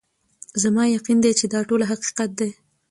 زما یقین دی چي دا ټوله حقیقت دی